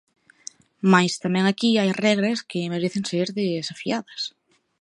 Máis tamén aquí hai regras que merecen ser desafiadas.